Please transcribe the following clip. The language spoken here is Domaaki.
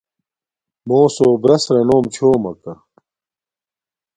مݸسݸ برَس رَنݸم چھݸمَکݳ.